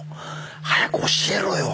早く教えろよ！